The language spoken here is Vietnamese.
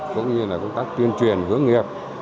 cũng như công tác tuyên truyền hướng nghiệp